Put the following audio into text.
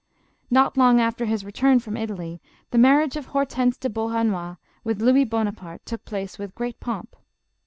Not long after his return from Italy, the marriage of Hortense de Beauharnois with Louis Bonaparte, took place with great pomp.